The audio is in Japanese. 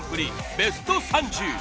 ベスト３０。